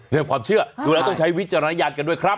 เรื่องความเชื่อดูแล้วต้องใช้วิจารณญาณกันด้วยครับ